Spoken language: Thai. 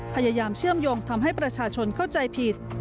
พยายามเชื่อมโยงทำให้ประชาชนเข้าใจผิด